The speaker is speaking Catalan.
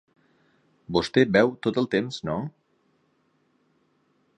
Vostè beu tot el temps, no?